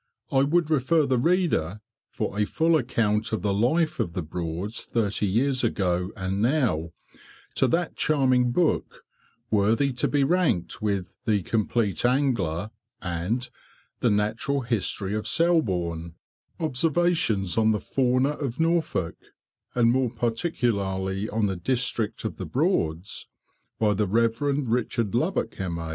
I would refer the reader, for a full account of the life of the Broads thirty years ago and now, to that charming book, worthy to be ranked with "The Complete Angler," and "The Natural History of Selborne," "Observations on the Fauna of Norfolk, and more particularly on the District of the Broads," by the Rev. Richard Lubbock, M.A.